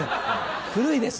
古いです。